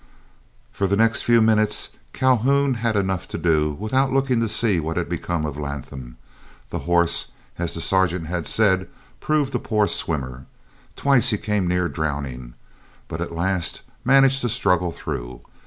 For the next few minutes Calhoun had enough to do without looking to see what had become of Latham. The horse, as the Sergeant had said, proved a poor swimmer. Twice he came near drowning; but at last managed to struggle through.